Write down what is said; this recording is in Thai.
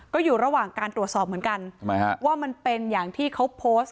ก็อยู่ระหว่างการตรวจสอบเหมือนกันทำไมฮะว่ามันเป็นอย่างที่เขาโพสต์